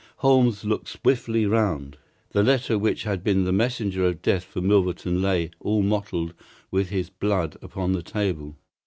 Holmes looked swiftly round. The letter which had been the messenger of death for Milverton lay, all mottled with his blood, upon the table.